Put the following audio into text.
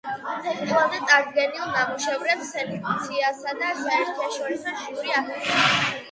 ფესტივალზე წარდგენილ ნამუშევრებს სელექციისა და საერთაშორისო ჟიური აფასებს.